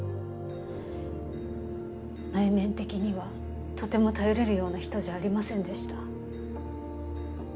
内面的にはとても頼れるような人じゃありませんでした。